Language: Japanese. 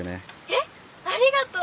「えっありがとう！」。